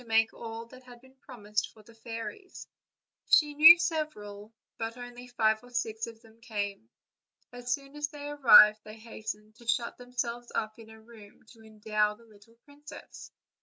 make all that had been promised for the fairies; she knew several, but only five or six of them came. As soon as they arrived they hastened to shut themselves up in a room to endow the little princess.